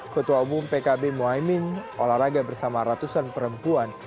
ketua umum pkb mohaimin olahraga bersama ratusan perempuan